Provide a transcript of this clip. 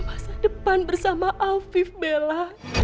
masa depan bersama alfif bella